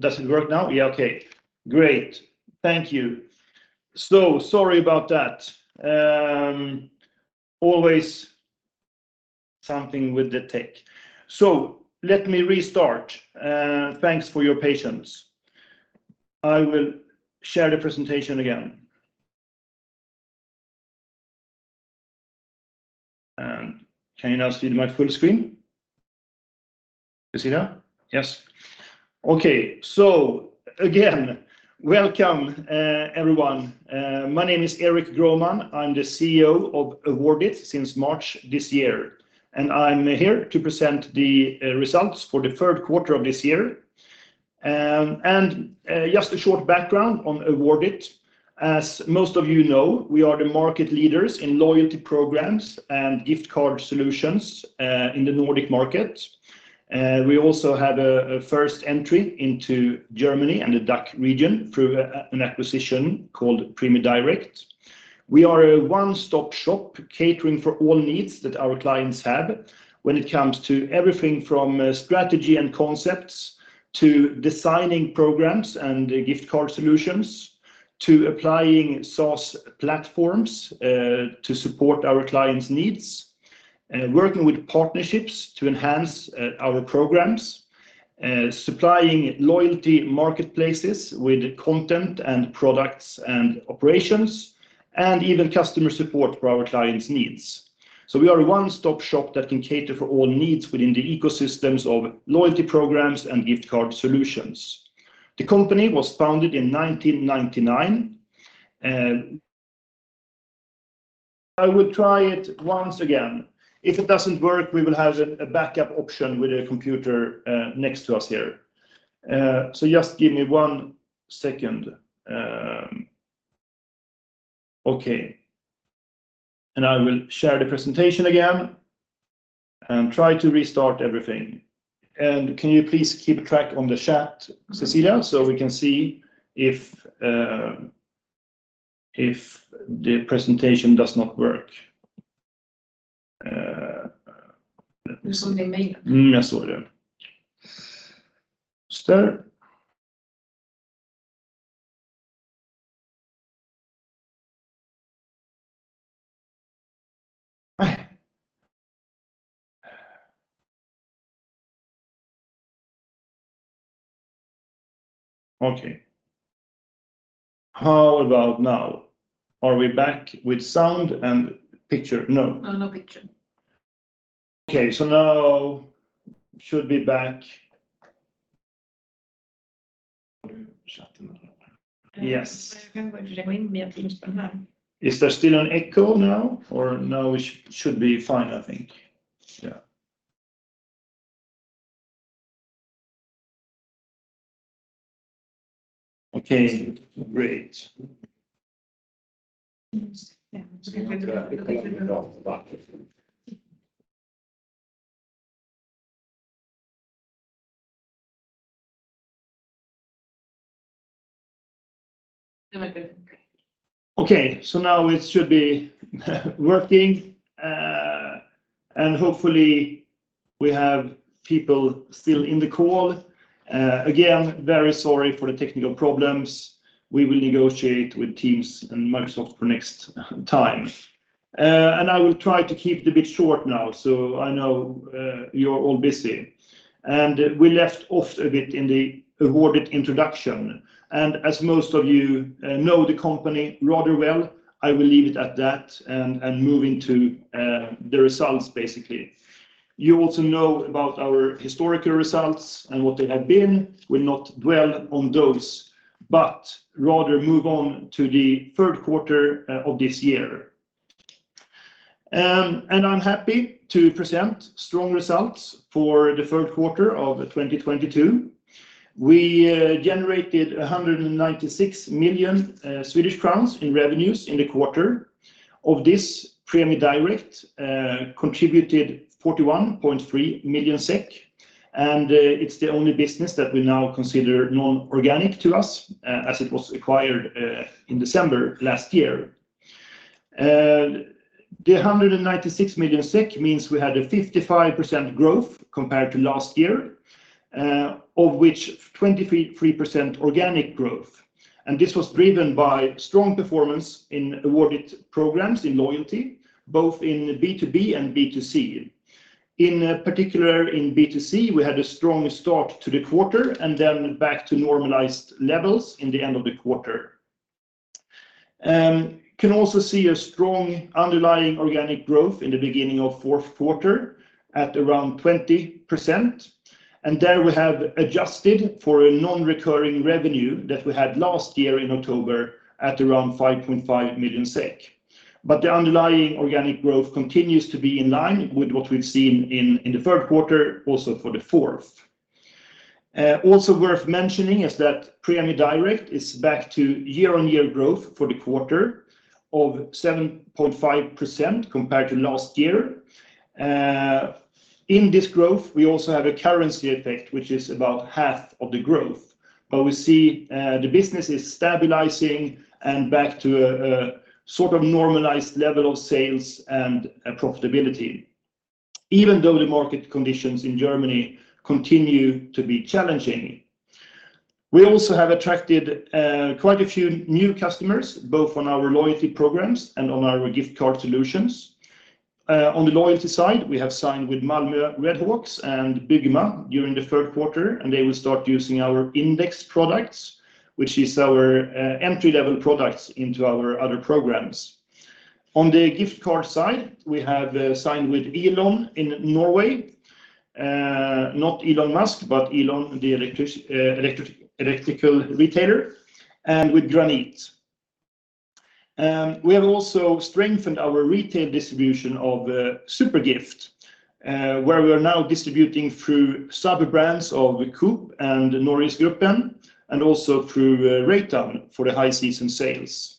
Does it work now? Yeah. Okay, great. Thank you. Sorry about that. Always something with the tech. Let me restart. Thanks for your patience. I will share the presentation again. Can you now see my full screen? You see that? Yes. Okay. Again, welcome, everyone. My name is Erik Grohman. I'm the CEO of Awardit since March this year, and I'm here to present the results for the third quarter of this year. Just a short background on Awardit. As most of you know, we are the market leaders in loyalty programs and gift card solutions in the Nordic market. We also had a first entry into Germany and the DACH region through an acquisition called Prämie Direkt. We are a one-stop shop catering for all needs that our clients have when it comes to everything from strategy and concepts to designing programs and gift card solutions, to applying sourcing platforms to support our clients' needs, working with partnerships to enhance our programs, supplying loyalty marketplaces with content and products and operations, and even customer support for our clients' needs. We are a one-stop shop that can cater for all needs within the ecosystems of loyalty programs and gift card solutions. The company was founded in 1999. I will try it once again. If it doesn't work, we will have a backup option with a computer next to us here. Just give me one second. Okay. I will share the presentation again and try to restart everything. Can you please keep track on the chat, Cecilia, so we can see if the presentation does not work? How about now? Are we back with sound and picture? No. No picture. Okay, so now should be back. Yes. Is there still an echo now or is it should be fine, I think. Yeah. Okay, great. Okay, so now it should be working, and hopefully we have people still in the call. Again, very sorry for the technical problems. We will negotiate with Teams and Microsoft for next time. I will try to keep it short now, so I know you're all busy. We left off a bit in the Awardit introduction. As most of you know the company rather well, I will leave it at that and move into the results basically. You also know about our historical results and what they have been. Will not dwell on those, but rather move on to the third quarter of this year. I'm happy to present strong results for the third quarter of 2022. We generated 196 million Swedish crowns in revenues in the quarter. Of this, Prämie Direkt contributed 41.3 million SEK, and it's the only business that we now consider non-organic to us, as it was acquired in December last year. The 196 million SEK means we had 55% growth compared to last year, of which 23.3% organic growth. This was driven by strong performance in Awardit programs in loyalty, both in B2B and B2C. In particular, in B2C, we had a strong start to the quarter and then back to normalized levels in the end of the quarter. Can also see a strong underlying organic growth in the beginning of fourth quarter at around 20%. There we have adjusted for a non-recurring revenue that we had last year in October at around 5.5 million SEK. The underlying organic growth continues to be in line with what we've seen in the third quarter, also for the fourth. Also worth mentioning is that Prämie Direkt is back to year-on-year growth for the quarter of 7.5% compared to last year. In this growth, we also have a currency effect, which is about half of the growth. We see the business is stabilizing and back to a sort of normalized level of sales and profitability, even though the market conditions in Germany continue to be challenging. We also have attracted quite a few new customers, both on our loyalty programs and on our gift card solutions. On the loyalty side, we have signed with Malmö Redhawks and Byggma during the third quarter, and they will start using our Index products, which is our entry-level products into our other programs. On the gift card side, we have signed with Elon in Norway, not Elon Musk, but Elon the electrical retailer, and with Granit. We have also strengthened our retail distribution of SuperGift, where we are now distributing through sub-brands of Coop and NorgesGruppen and also through Rusta for the high season sales.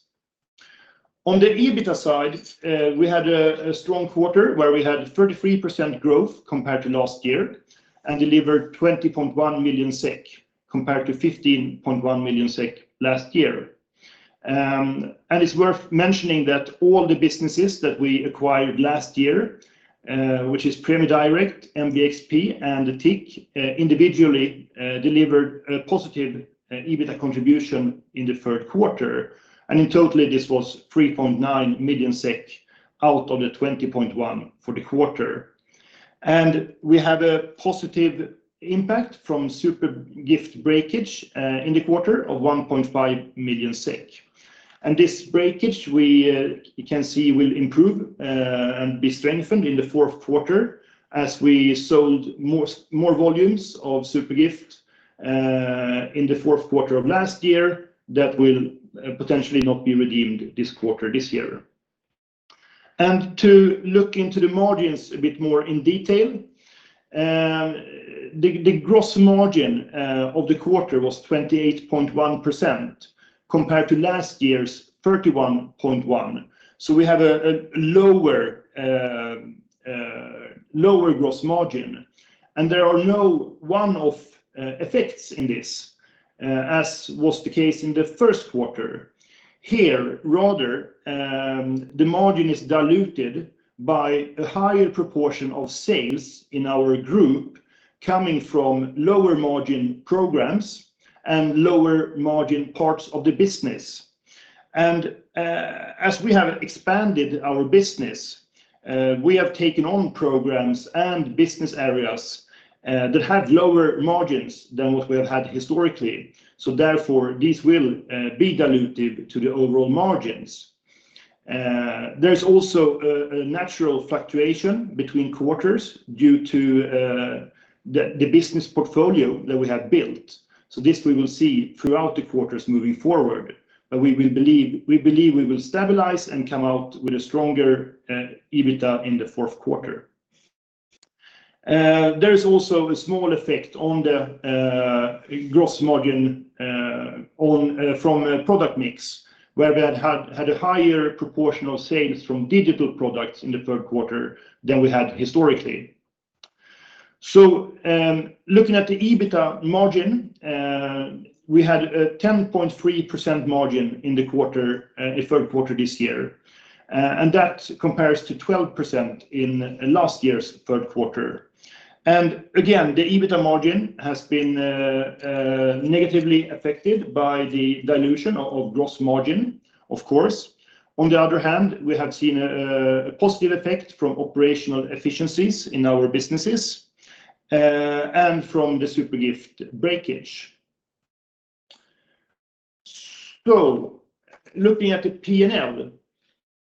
On the EBITDA side, we had a strong quarter where we had 33% growth compared to last year and delivered 20.1 million SEK compared to 15.1 million SEK last year. It's worth mentioning that all the businesses that we acquired last year, which is Prämie Direkt, MBXP, and TIC, individually, delivered a positive EBITDA contribution in the third quarter. In total, this was 3.9 million SEK out of the 20.1 for the quarter. We have a positive impact from SuperGift breakage in the quarter of 1.5 million. This breakage, we, you can see, will improve and be strengthened in the fourth quarter as we sold more volumes of SuperGift in the fourth quarter of last year that will potentially not be redeemed this quarter, this year. To look into the margins a bit more in detail, the gross margin of the quarter was 28.1% compared to last year's 31.1%. We have a lower gross margin, and there are no one-off effects in this as was the case in the first quarter. Here, rather, the margin is diluted by a higher proportion of sales in our group coming from lower-margin programs and lower-margin parts of the business. As we have expanded our business, we have taken on programs and business areas that have lower margins than what we have had historically. Therefore, these will be dilutive to the overall margins. There's also a natural fluctuation between quarters due to the business portfolio that we have built. This we will see throughout the quarters moving forward, but we believe we will stabilize and come out with a stronger EBITDA in the fourth quarter. There is also a small effect on the gross margin from product mix, where we had a higher proportion of sales from digital products in the third quarter than we had historically. Looking at the EBITDA margin, we had a 10.3% margin in the quarter, the third quarter this year, and that compares to 12% in last year's third quarter. Again, the EBITDA margin has been negatively affected by the dilution of gross margin, of course. On the other hand, we have seen a positive effect from operational efficiencies in our businesses, and from the SuperGift breakage. Looking at the P&L,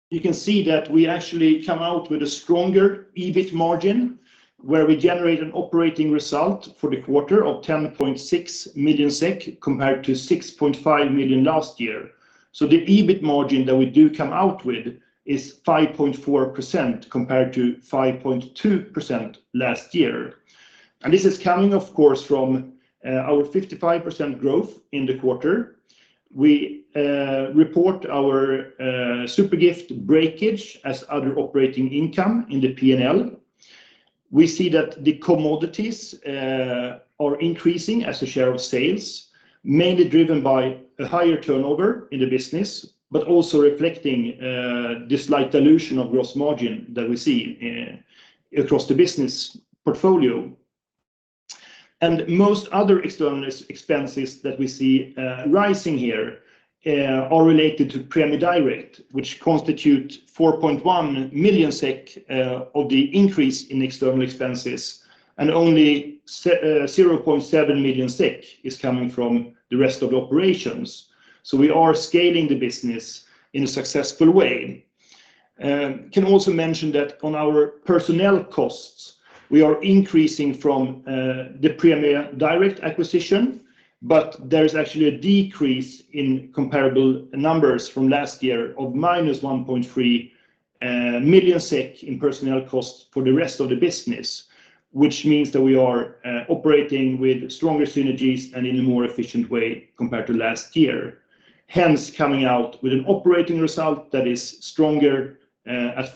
you can see that we actually come out with a stronger EBIT margin, where we generate an operating result for the quarter of 10.6 million SEK compared to 6.5 million last year. The EBIT margin that we do come out with is 5.4% compared to 5.2% last year. This is coming, of course, from our 55% growth in the quarter. We report our SuperGift breakage as other operating income in the P&L. We see that the commodities are increasing as a share of sales, mainly driven by a higher turnover in the business, but also reflecting the slight dilution of gross margin that we see across the business portfolio. Most other external expenses that we see rising here are related to Prämie Direkt, which constitute 4.1 million SEK of the increase in external expenses, and only zero point seven million SEK is coming from the rest of the operations. We are scaling the business in a successful way. Can also mention that on our personnel costs, we are increasing from the Prämie Direkt acquisition, but there is actually a decrease in comparable numbers from last year of -1.3 million SEK in personnel costs for the rest of the business, which means that we are operating with stronger synergies and in a more efficient way compared to last year, hence coming out with an operating result that is stronger at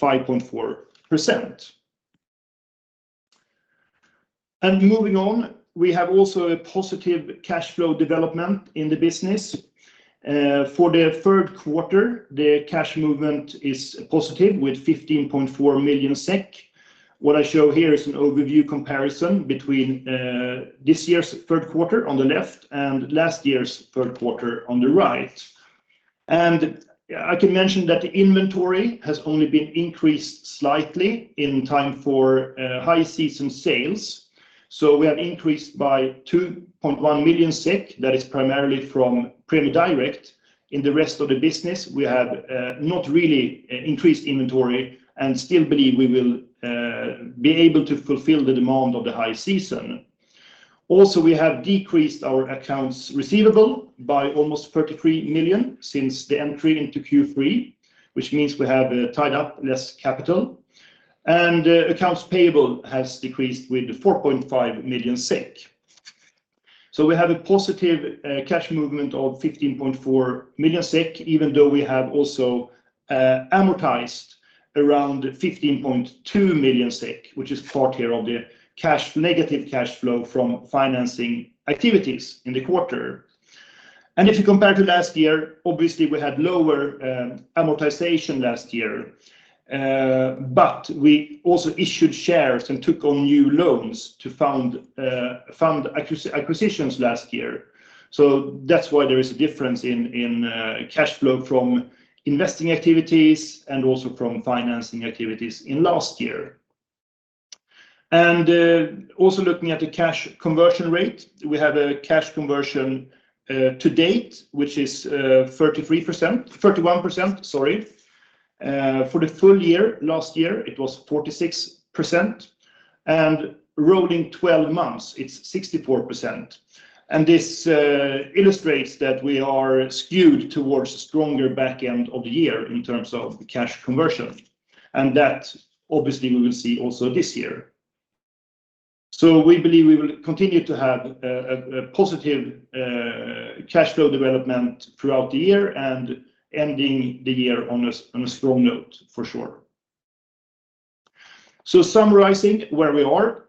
5.4%. Moving on, we have also a positive cash flow development in the business. For the third quarter, the cash movement is positive with 15.4 million SEK. What I show here is an overview comparison between this year's third quarter on the left and last year's third quarter on the right. I can mention that inventory has only been increased slightly in time for high season sales. We have increased by 2.1 million SEK. That is primarily from Prämie Direkt. In the rest of the business, we have not really increased inventory and still believe we will be able to fulfill the demand of the high season. We have decreased our accounts receivable by almost 33 million since the entry into Q3, which means we have tied up less capital. Accounts payable has decreased with 4.5 million SEK. We have a positive cash movement of 15.4 million SEK, even though we have also amortized around 15.2 million SEK, which is part of the cash negative cash flow from financing activities in the quarter. If you compare to last year, obviously, we had lower amortization last year. We also issued shares and took on new loans to fund acquisitions last year. That's why there is a difference in cash flow from investing activities and also from financing activities in last year. Also looking at the cash conversion rate, we have a cash conversion to date, which is 31%, sorry. For the full year last year, it was 46%. Rolling twelve months, it's 64%. This illustrates that we are skewed towards stronger back end of the year in terms of cash conversion, and that obviously we will see also this year. We believe we will continue to have a positive cash flow development throughout the year and ending the year on a strong note for sure. Summarizing where we are,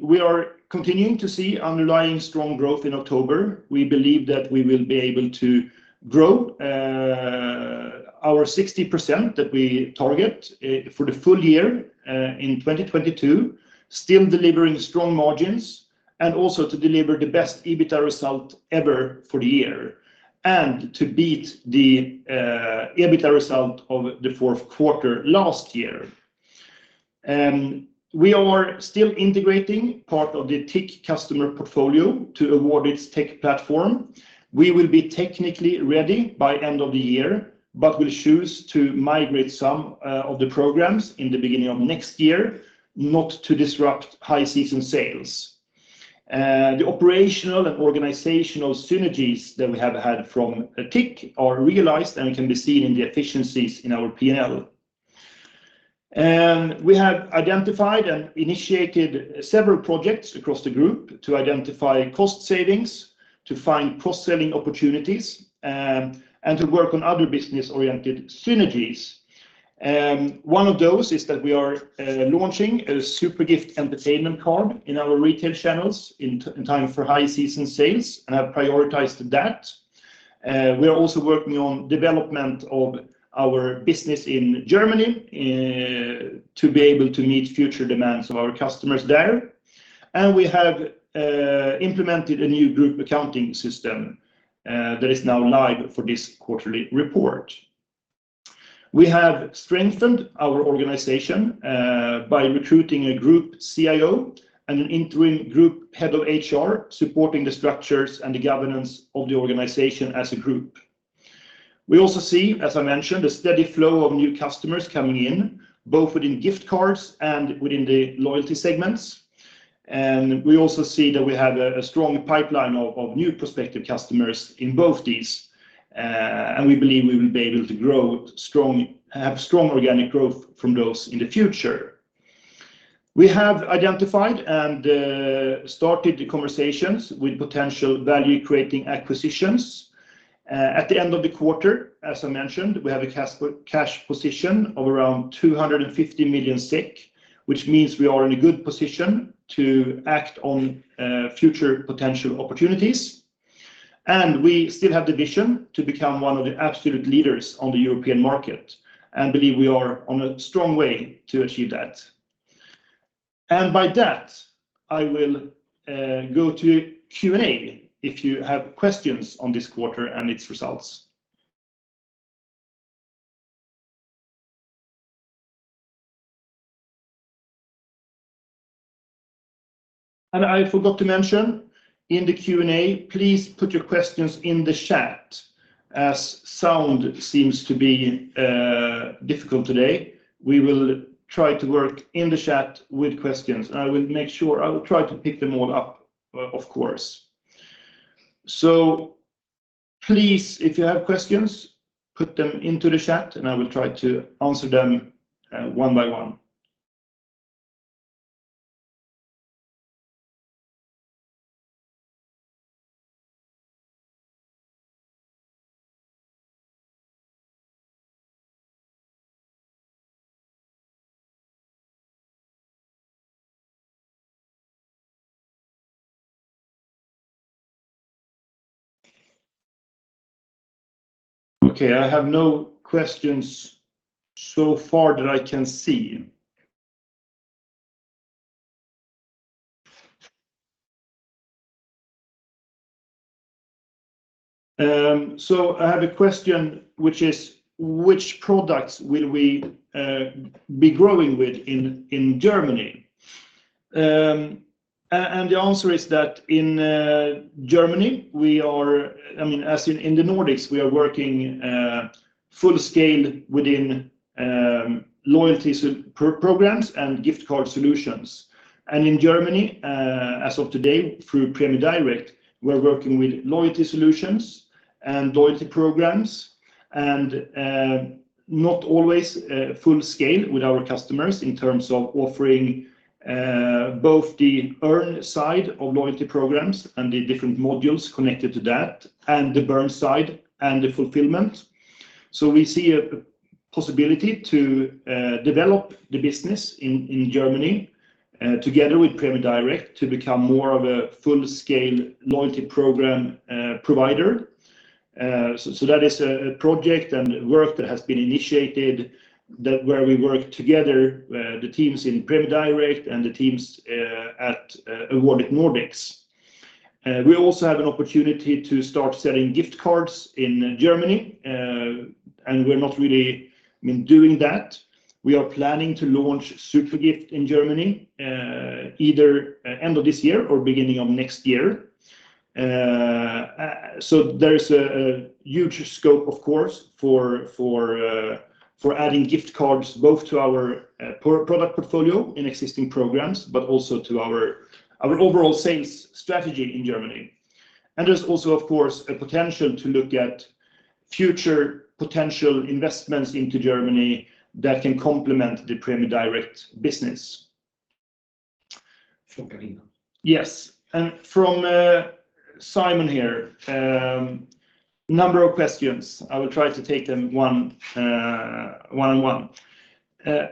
we are continuing to see underlying strong growth in October. We believe that we will be able to grow our 60% that we target for the full year in 2022, still delivering strong margins and also to deliver the best EBITA result ever for the year and to beat the EBITA result of the fourth quarter last year. We are still integrating part of the TIC customer portfolio to Awardit's tech platform. We will be technically ready by end of the year, but we'll choose to migrate some of the programs in the beginning of next year, not to disrupt high season sales. The operational and organizational synergies that we have had from TIC are realized and can be seen in the efficiencies in our P&L. We have identified and initiated several projects across the group to identify cost savings, to find cross-selling opportunities, and to work on other business-oriented synergies. One of those is that we are launching a SuperGift entertainment card in our retail channels in time for high season sales and have prioritized that. We are also working on development of our business in Germany to be able to meet future demands of our customers there. We have implemented a new group accounting system that is now live for this quarterly report. We have strengthened our organization by recruiting a group CIO and an interim group head of HR, supporting the structures and the governance of the organization as a group. We also see, as I mentioned, a steady flow of new customers coming in, both within gift cards and within the loyalty segments. We also see that we have a strong pipeline of new prospective customers in both these. We believe we will be able to have strong organic growth from those in the future. We have identified and started the conversations with potential value-creating acquisitions. At the end of the quarter, as I mentioned, we have a cash position of around 250 million SEK, which means we are in a good position to act on future potential opportunities. We still have the vision to become one of the absolute leaders on the European market and believe we are on a strong way to achieve that. By that, I will go to Q&A if you have questions on this quarter and its results. I forgot to mention, in the Q&A, please put your questions in the chat, as sound seems to be difficult today. We will try to work in the chat with questions, and I will try to pick them all up, of course. Please, if you have questions, put them into the chat, and I will try to answer them one by one. Okay, I have no questions so far that I can see. I have a question which is, which products will we be growing with in Germany? The answer is that in the Nordics, we are working full scale within loyalty programs and gift card solutions. In Germany, as of today through Prämie Direkt, we're working with loyalty solutions and loyalty programs and not always full scale with our customers in terms of offering both the earn side of loyalty programs and the different modules connected to that, and the burn side and the fulfillment. We see a possibility to develop the business in Germany together with Prämie Direkt to become more of a full-scale loyalty program provider. That is a project and work that has been initiated where we work together, the teams in Prämie Direkt and the teams at Awardit Nordics. We also have an opportunity to start selling gift cards in Germany, and we're not really, I mean, doing that. We are planning to launch SuperGift in Germany, either end of this year or beginning of next year. So there is a huge scope, of course, for adding gift cards both to our product portfolio in existing programs, but also to our overall sales strategy in Germany. There's also, of course, a potential to look at future potential investments into Germany that can complement the Prämie Direkt business. From Karina. Yes. From Simon here, number of questions. I will try to take them one on one.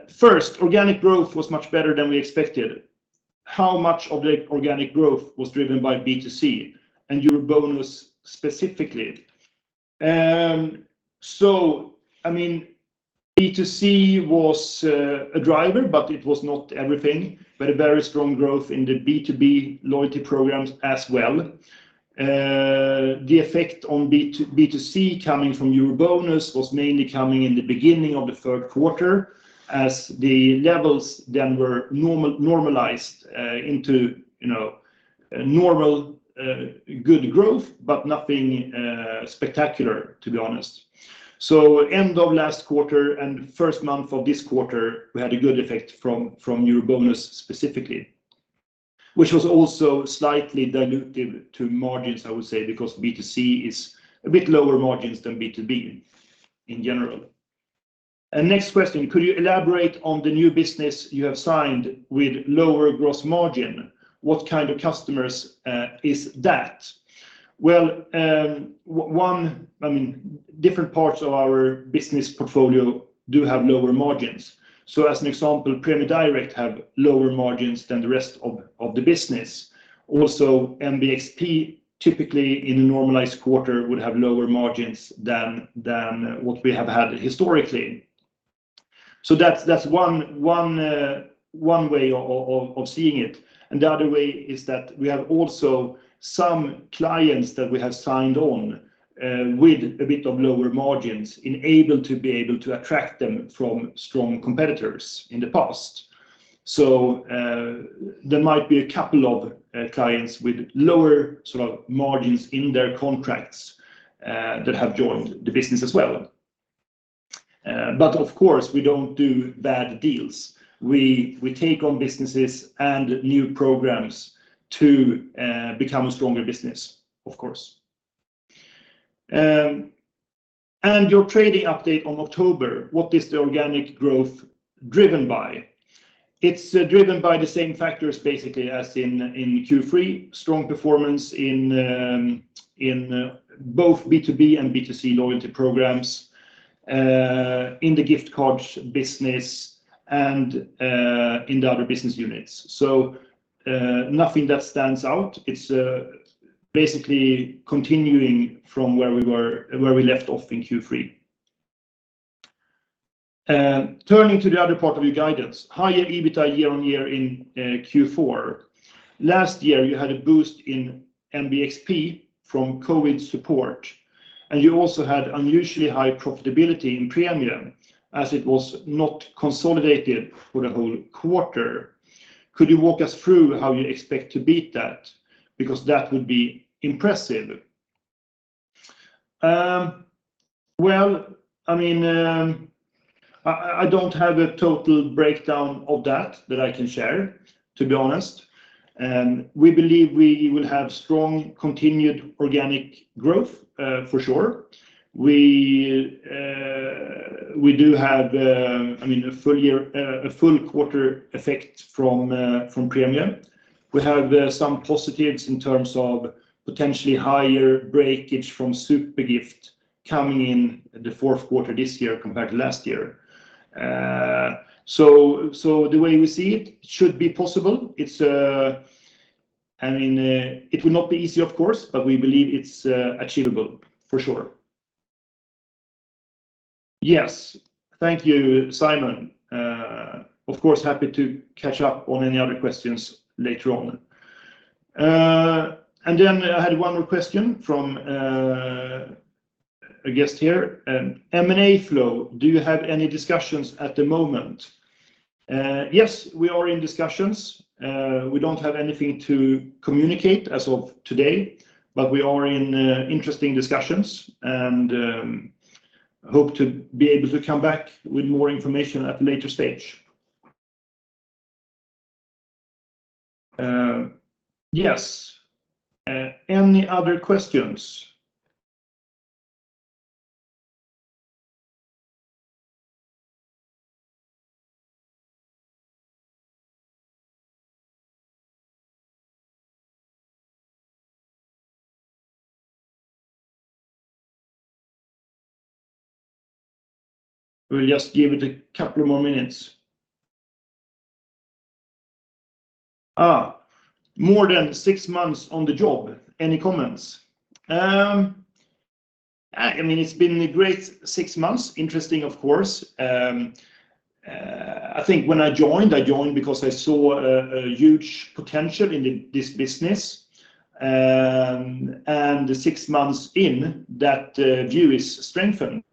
First, organic growth was much better than we expected. How much of the organic growth was driven by B2C and EuroBonus specifically? I mean, B2C was a driver, but it was not everything, but a very strong growth in the B2B loyalty programs as well. The effect on B2C coming from EuroBonus was mainly coming in the beginning of the third quarter as the levels then were normalized into, you know, normal good growth, but nothing spectacular, to be honest. End of last quarter and first month of this quarter, we had a good effect from EuroBonus specifically, which was also slightly dilutive to margins, I would say, because B2C is a bit lower margins than B2B in general. Next question, could you elaborate on the new business you have signed with lower gross margin? What kind of customers is that? Well, one, I mean, different parts of our business portfolio do have lower margins. As an example, Prämie Direkt have lower margins than the rest of the business. Also, MBXP typically in a normalized quarter would have lower margins than what we have had historically. That's one way of seeing it. The other way is that we have also some clients that we have signed on with a bit of lower margins in order to be able to attract them from strong competitors in the past. There might be a couple of clients with lower sort of margins in their contracts that have joined the business as well. Of course, we don't do bad deals. We take on businesses and new programs to become a stronger business, of course. Your trading update on October, what is the organic growth driven by? It's driven by the same factors basically as in Q3, strong performance in both B2B and B2C loyalty programs, in the gift card business and in the other business units. Nothing that stands out. It's basically continuing from where we left off in Q3. Turning to the other part of your guidance, higher EBITA year-on-year in Q4. Last year, you had a boost in MBXP from COVID support, and you also had unusually high profitability in Prämie Direkt as it was not consolidated for the whole quarter. Could you walk us through how you expect to beat that? Because that would be impressive. Well, I mean, I don't have a total breakdown of that I can share, to be honest. We believe we will have strong continued organic growth, for sure. We do have, I mean, a full quarter effect from Prämie Direkt. We have some positives in terms of potentially higher breakage from SuperGift coming in the fourth quarter this year compared to last year. So the way we see it should be possible. It's, I mean, it will not be easy, of course, but we believe it's achievable for sure. Yes. Thank you, Simon. Of course, happy to catch up on any other questions later on. I had one more question from a guest here. M&A flow, do you have any discussions at the moment? Yes, we are in discussions. We don't have anything to communicate as of today, but we are in interesting discussions and hope to be able to come back with more information at a later stage. Yes. Any other questions? We'll just give it a couple more minutes. More than six months on the job. Any comments? I mean, it's been a great six months. Interesting, of course. I think when I joined, I joined because I saw a huge potential in this business. Six months in, that view is strengthened.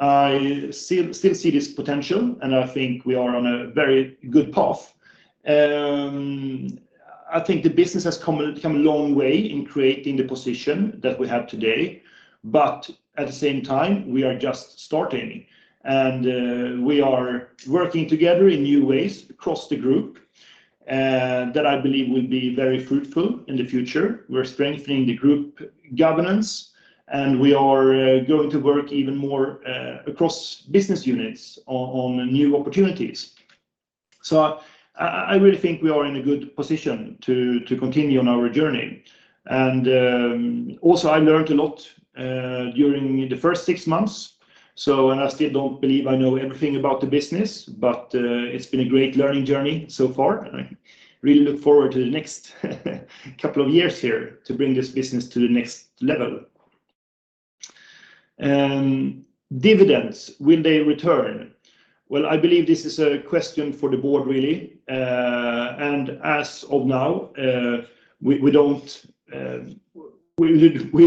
I still see this potential, and I think we are on a very good path. I think the business has come a long way in creating the position that we have today. At the same time, we are just starting, and we are working together in new ways across the group that I believe will be very fruitful in the future. We're strengthening the group governance, and we are going to work even more across business units on new opportunities. I really think we are in a good position to continue on our journey. Also, I learned a lot during the first six months. I still don't believe I know everything about the business. It's been a great learning journey so far, and I really look forward to the next couple of years here to bring this business to the next level. Dividends, will they return? Well, I believe this is a question for the board, really. As of now, we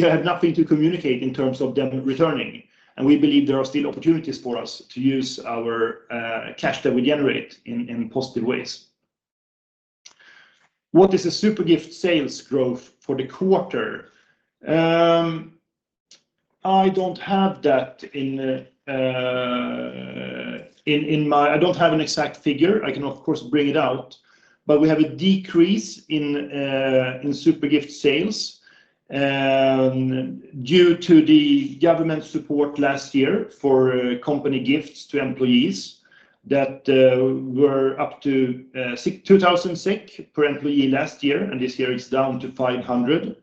have nothing to communicate in terms of them returning, and we believe there are still opportunities for us to use our cash that we generate in positive ways. What is the SuperGift sales growth for the quarter? I don't have an exact figure. I can, of course, bring it out. We have a decrease in SuperGift sales due to the government support last year for company gifts to employees that were up to 2,000 SEK per employee last year, and this year it's down to 500.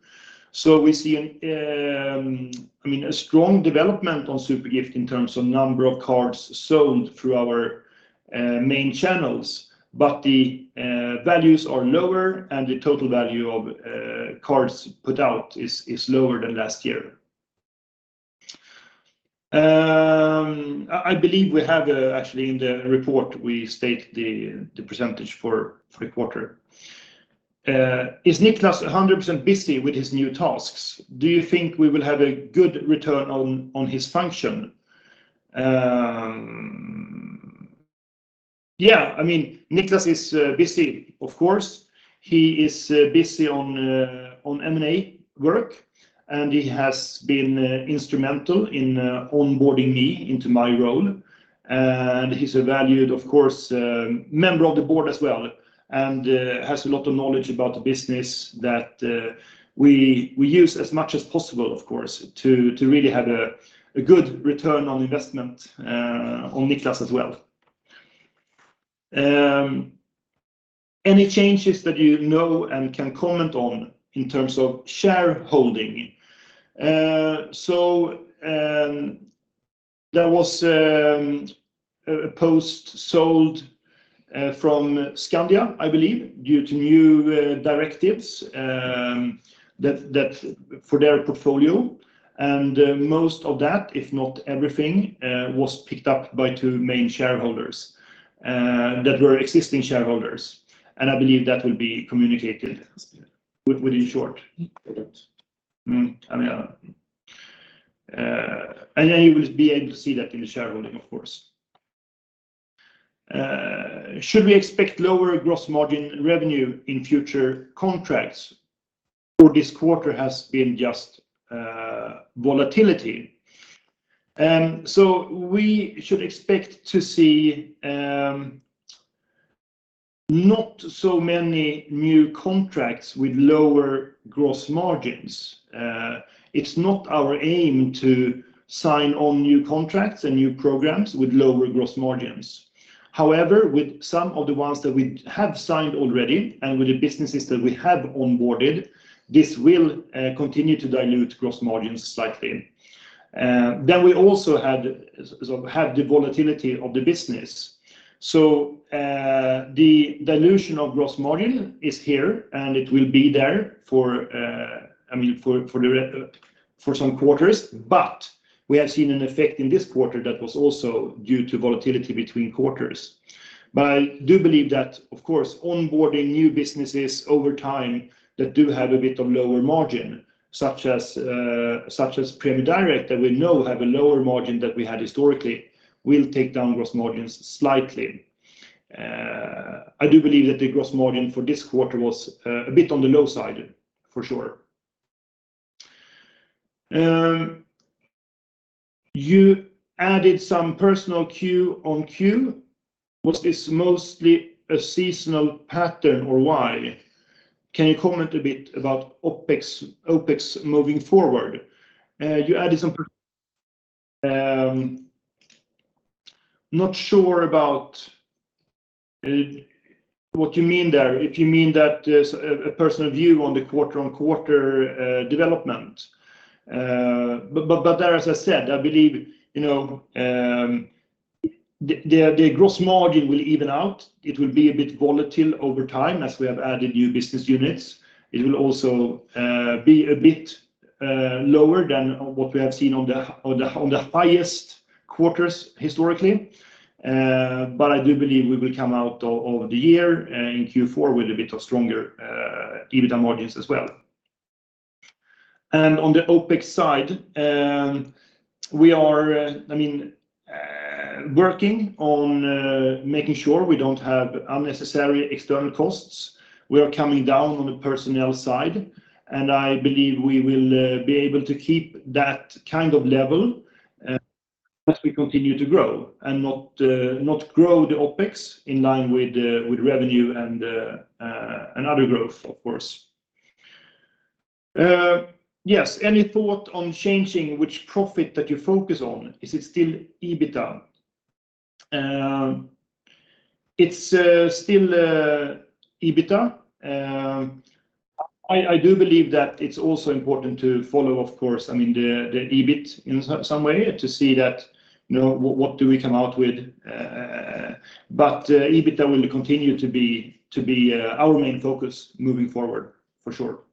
We see, I mean, a strong development on SuperGift in terms of number of cards sold through our main channels, but the values are lower, and the total value of cards put out is lower than last year. I believe we have, actually in the report, we state the percentage for the quarter. Is Niklas 100% busy with his new tasks? Do you think we will have a good return on his function? Yeah. I mean, Niklas is busy, of course. He is busy on M&A work, and he has been instrumental in onboarding me into my role. He's a valued, of course, member of the board as well and has a lot of knowledge about the business that we use as much as possible, of course, to really have a good return on investment on Niklas as well. Any changes that you know and can comment on in terms of shareholding? There was a position sold from Skandia, I believe, due to new directives for their portfolio. Most of that, if not everything, was picked up by two main shareholders that were existing shareholders. I believe that will be communicated shortly. I mean, then you will be able to see that in the shareholding, of course. Should we expect lower gross margin revenue in future contracts, or this quarter has been just volatility? We should expect to see not so many new contracts with lower gross margins. It's not our aim to sign on new contracts and new programs with lower gross margins. However, with some of the ones that we have signed already and with the businesses that we have onboarded, this will continue to dilute gross margins slightly. We also have the volatility of the business. The dilution of gross margin is here, and it will be there for, I mean, for some quarters. We have seen an effect in this quarter that was also due to volatility between quarters. I do believe that, of course, onboarding new businesses over time that do have a bit of lower margin, such as Prämie Direkt that we know have a lower margin that we had historically, will take down gross margins slightly. I do believe that the gross margin for this quarter was a bit on the low side for sure. You added some personal Q on Q. Was this mostly a seasonal pattern or why? Can you comment a bit about OpEx moving forward? Not sure about what you mean there. If you mean that as a personal view on the quarter on quarter development. There, as I said, I believe, you know, the gross margin will even out. It will be a bit volatile over time as we have added new business units. It will also be a bit lower than what we have seen on the highest quarters historically. But I do believe we will come out over the year in Q4 with a bit of stronger EBITDA margins as well. On the OpEx side, we are, I mean, working on making sure we don't have unnecessary external costs. We are coming down on the personnel side, and I believe we will be able to keep that kind of level as we continue to grow and not grow the OpEx in line with revenue and another growth, of course. Yes. Any thought on changing which profit that you focus on? Is it still EBITDA? It's still EBITDA. I do believe that it's also important to follow, of course, I mean, the EBIT in some way to see that, you know, what do we come out with? EBITDA will continue to be our main focus moving forward for sure.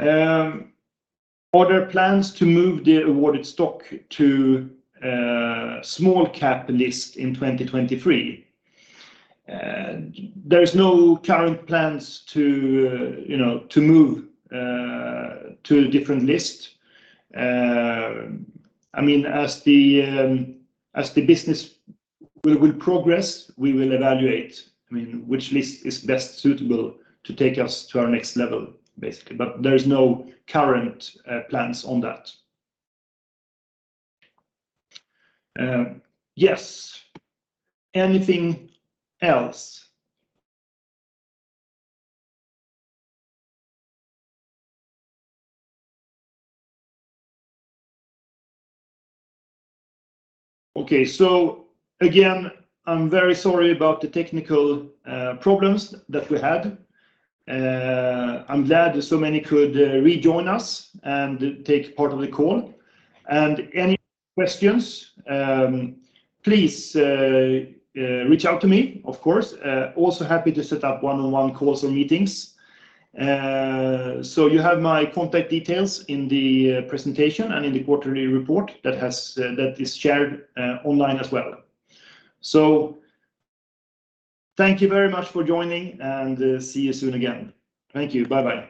Are there plans to move the Awardit stock to a small-cap list in 2023? There's no current plans to, you know, to move to a different list. I mean, as the business will progress, we will evaluate, I mean, which list is best suitable to take us to our next level, basically. There is no current plans on that. Yes. Anything else? Okay. Again, I'm very sorry about the technical problems that we had. I'm glad so many could rejoin us and take part of the call. Any questions, please reach out to me, of course. Also happy to set up one-on-one calls or meetings. You have my contact details in the presentation and in the quarterly report that is shared online as well. Thank you very much for joining, and see you soon again. Thank you. Bye-bye.